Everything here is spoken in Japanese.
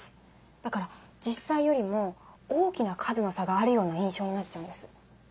だから実際よりも大きな数の差があるような印象になっちゃうんです。